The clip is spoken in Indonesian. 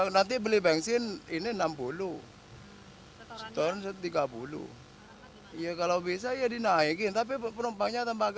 nanti beli bensin ini enam puluh ton setiga puluh iya kalau bisa ya dinaikin tapi penumpangnya tembak